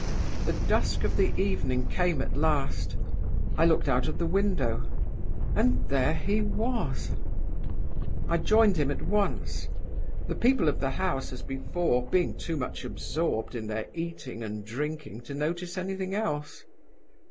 "The dusk of the evening came at last. I looked out of the window and there he was! "I joined him at once; the people of the house, as before, being too much absorbed in their eating and drinking to notice anything else.